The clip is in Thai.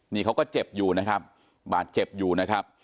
นี่เขาก็เจ็บอยู่นะครับบาดเจ็บอยู่นะครับ